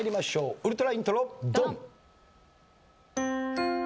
ウルトライントロドン！